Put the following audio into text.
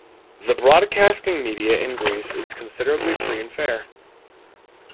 The Broadcasting Media in Greece is considerably free and fair.